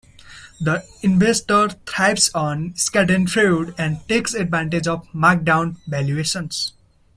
The investor thrives on Schadenfreude and takes advantage of marked down valuations.